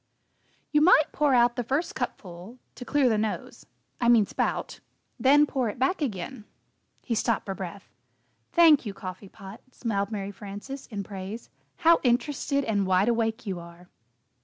"You might pour out the first cupful to clear the nose I mean, spout then pour it back again." He stopped for breath. "Thank you, Coffee Pot," smiled Mary Frances, in praise, "how interested and wide awake you are!"